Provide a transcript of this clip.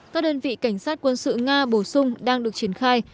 các đơn vị cảnh sát quân sự nga bổ sung đang được triển khai